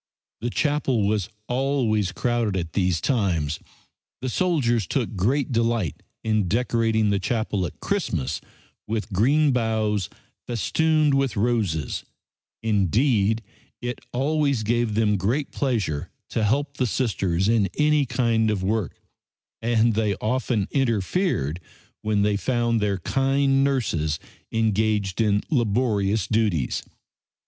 The chapel was always crowded at these times. The soldiers took great delight in decorating the chapel at Christmas with green boughs, festooned with roses; indeed, it always gave them great pleasure to help the Sisters in any kind of work, and they often interfered when they found their kind nurses engaged in laborious duties.